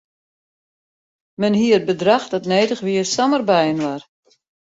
Men hie it bedrach dat nedich wie samar byinoar.